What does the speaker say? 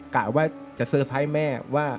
กะว่าจะเซอร์ฟให้แม่ว่า